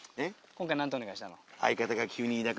今回何てお願いしたの？